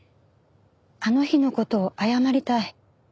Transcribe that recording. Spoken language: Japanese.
あの日の事を謝りたい。